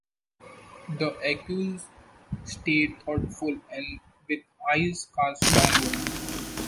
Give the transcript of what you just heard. The accuse stayed thoughtful and with eyes cast downward